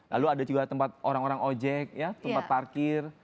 lalu ada juga tempat orang orang ojek tempat parkir